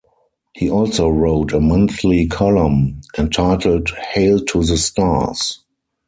He also wrote a monthly column entitled Hale to the Stars.